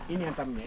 ini yang temennya